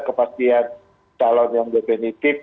kepastian calon yang definitif